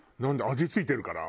味付いてるから？